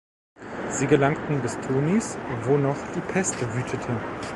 Sie gelangten bis Tunis, wo noch die Pest wütete.